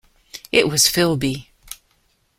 It was Philby.